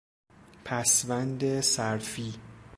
پسوند صرفی